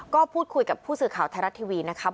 ก็พูดคุยกับผู้สื่อข่าวไทยรัฐทีวีนะครับ